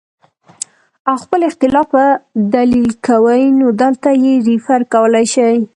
او خپل اختلاف پۀ دليل کوي نو دلته ئې ريفر کولے شئ